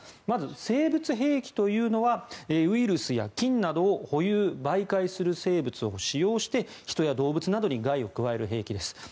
まず、生物兵器というのはウイルスや菌などを保有・媒介する生物を使用して人や動物などに害を加える兵器です。